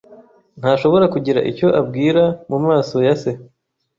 Ntashobora kugira icyo abwira mumaso ya se.